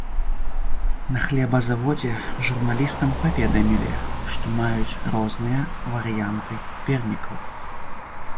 На хлебазаводзе журналістам паведамілі, што маюць розныя варыянты пернікаў.